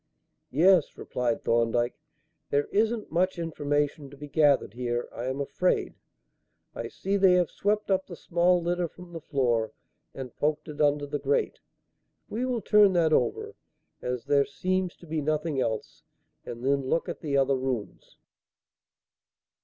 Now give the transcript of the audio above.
"Yes," replied Thorndyke; "there isn't much information to be gathered here, I am afraid. I see they have swept up the small litter from the floor and poked it under the grate. We will turn that over, as there seems to be nothing else, and then look at the other rooms."